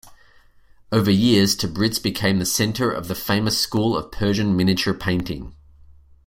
Over years Tabriz became the center of the famous school of Persian miniature painting.